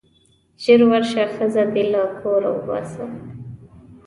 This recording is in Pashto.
ژر ورشه ښځه دې له کوره وباسه.